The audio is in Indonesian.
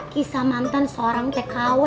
kisah mantan seorang tkw